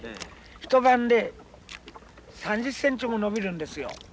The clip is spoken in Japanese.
一晩で３０センチも伸びるんですよ。